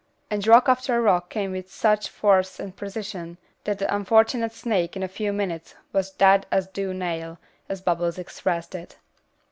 and rock after rock came with such force and precision that the unfortunate snake, in a few minutes, was "daid as a do' nail," as Bubbles expressed it.